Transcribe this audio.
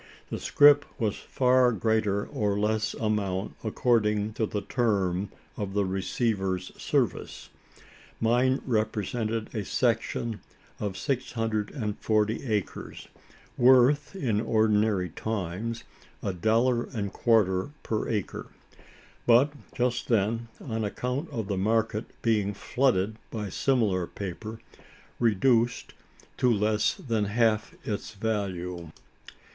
The scrip was for greater or less amount, according to the term of the receiver's service. Mine represented a "section" of six hundred and forty acres worth in ordinary times, a dollar and quarter per acre; but just then on account of the market being flooded by similar paper reduced to less than half its value.